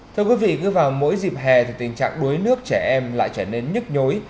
thưa quý vị cứ vào mỗi dịp hè thì tình trạng đuối nước trẻ em lại trở nên nhức nhối